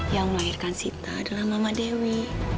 yang melahirkan sita adalah mama dewi